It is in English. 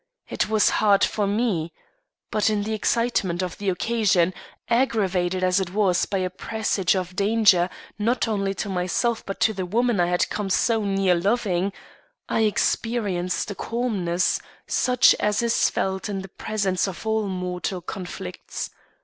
It was hard for me. But in the excitement of the occasion, aggravated as it was by a presage of danger not only to myself but to the woman I had come so near loving, I experienced a calmness, such as is felt in the presence of all mortal conflicts.